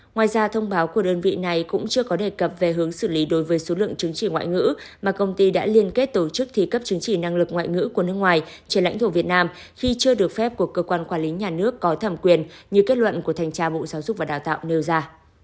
ngoài ra thông báo của đơn vị này cũng chưa có đề cập về hướng xử lý đối với số lượng chứng chỉ ngoại ngữ mà công ty đã liên kết tổ chức thi cấp chứng chỉ năng lực ngoại ngữ của nước ngoài trên lãnh thổ việt nam khi chưa được phép của cơ quan quản lý nhà nước có thẩm quyền như kết luận của thanh tra bộ giáo dục và đào tạo nêu ra